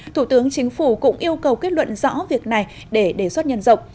thủ tướng chính phủ cũng yêu cầu kết luận rõ việc này để đề xuất nhân rộng